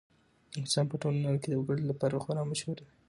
افغانستان په ټوله نړۍ کې د وګړي لپاره خورا مشهور دی.